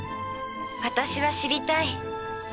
私は知りたい。